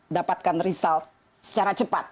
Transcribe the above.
dapatkan result secara cepat